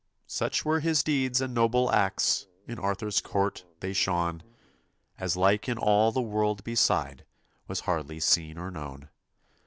Such were his deeds and noble acts, In Arthur's court they shone, As like in all the world beside Was hardly seen or known.